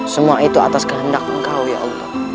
semua itu atas kehendak engkau ya allah